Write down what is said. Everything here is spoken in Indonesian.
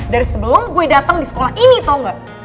dari sebelum gue dateng di sekolah ini tau nggak